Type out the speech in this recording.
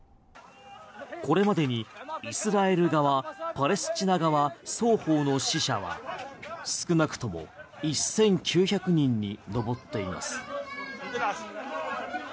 これまでにイスラエル側、パレスチナ側双方の死者は少なくとも１９００人に上っています。